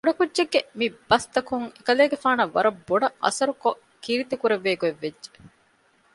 ކުޑަކުއްޖެއްގެ މިބަސްތަކުން އެކަލޭގެފާނަށް ވަރަށްބޮޑަށް އަސަރުކޮށް ކީރިތި ކުރެއްވޭގޮތް ވެއްޖެ